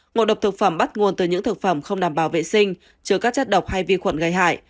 ngộ độc thực phẩm bắt nguồn từ những thực phẩm không đảm bảo vệ sinh trừ các chất độc hay vi khuẩn gây hại